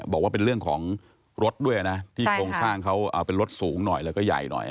บอกว่าเป็นเรื่องของรถด้วยนะที่โครงสร้างเขาเอาเป็นรถสูงหน่อยแล้วก็ใหญ่หน่อย